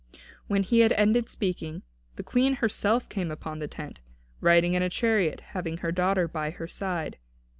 When he had ended speaking, the Queen herself came unto the tent, riding in a chariot, having her daughter by her side.